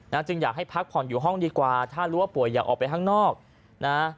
จึงอยากให้พักผ่อนอยู่ห้องดีกว่าถ้ารู้ว่าป่วยอยากออกไปข้างนอกนะ